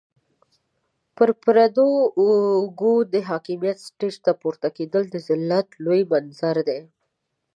پر پردو اوږو د حاکميت سټېج ته پورته کېدل د ذلت لوی منظر دی.